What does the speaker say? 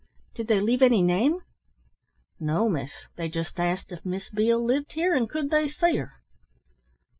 "Did they leave any name?" "No, miss. They just asked if Miss Beale lived here, and could they see her."